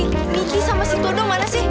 nih si miki sama si toto mana sih